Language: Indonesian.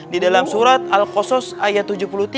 di dalam surat al kosos ayat tujuh puluh tiga